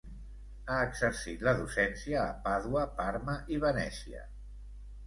Ha exercit la docència a Pàdua, Parma i Venècia.